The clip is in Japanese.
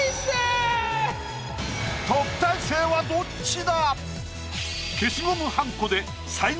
特待生はどっちだ